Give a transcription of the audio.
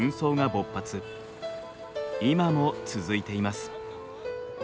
今も続いています。